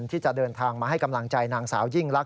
ที่จะเดินทางมาให้กำลังใจนางสาวยิ่งลักษ